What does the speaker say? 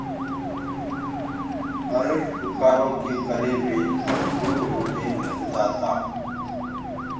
پر ڏُڪآرو ڪي ڪري وي مجبوٚر هوڪي لدتآ تا۔